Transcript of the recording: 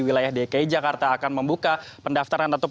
kepada anda yang memiliki keamanan itu